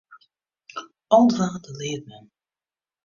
Al dwaande leart men.